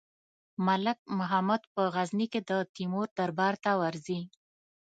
ملک محمد په غزني کې د تیمور دربار ته ورځي.